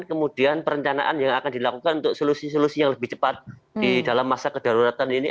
kemudian perencanaan yang akan dilakukan untuk solusi solusi yang lebih cepat di dalam masa kedaruratan ini